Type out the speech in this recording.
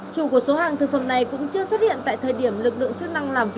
chủ của số hàng thực phẩm này cũng chưa xuất hiện tại thời điểm lực lượng chức năng làm rõ